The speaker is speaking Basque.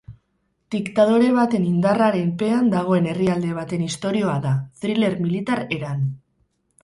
Diktadore baten indarraren pean dagoen herrialde baten istorioa da, thriller militar eran.